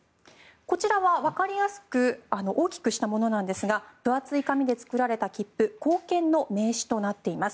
こちらはわかりやすく大きくしたものなんですが分厚い紙で作られた切符硬券の名刺となっています。